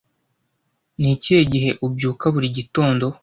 Ni ikihe gihe ubyuka buri gitondo?